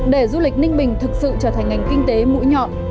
để du lịch ninh bình thực sự trở thành ngành kinh tế mũi nhọn